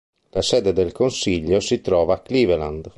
La sede del consiglio si trova a Cleveland.